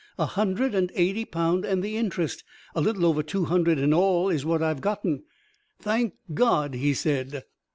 A hundred and eighty pound and the interest a little over two hundred in all is what I've gotten." "Thank God!" he said.